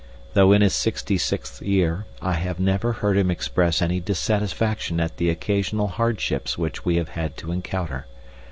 Though in his sixty sixth year, I have never heard him express any dissatisfaction at the occasional hardships which we have had to encounter.